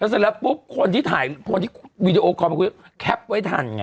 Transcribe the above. เสร็จแล้วปุ๊บคนที่ถ่ายคนที่วีดีโอคอลมาคุยแคปไว้ทันไง